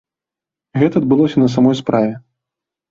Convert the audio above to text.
Гэта адбылося на самой справе.